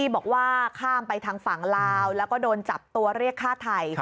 บอกว่าข้ามไปทางฝั่งลาวแล้วก็โดนจับตัวเรียกฆ่าไทย